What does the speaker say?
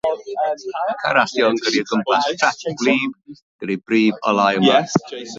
Mae car rasio yn gyrru o gwmpas trac gwlyb gyda'i brif olau ymlaen.